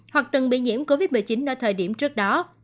hoặc từng bị nhiễm covid một mươi chín ở thời điểm trước đó